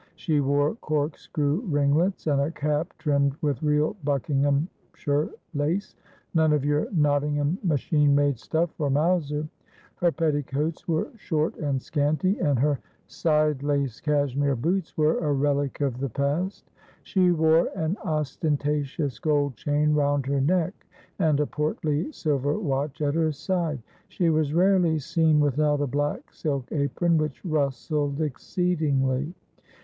She wore corkscrew ringlets, and a cap trimmed with real Buckingham shire lace — none of your Nottingham machine made stufE for Mowser. Her petticoats were short and scanty, and her side laced cashmere boots were a relic of the past. She wore an ostentatious gold chain round her neck, and a portly silver watch at her side. She was rarely seen without a black silk apron, which rustled exceedingly.